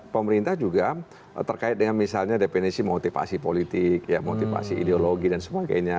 pemerintah juga terkait dengan misalnya definisi motivasi politik motivasi ideologi dan sebagainya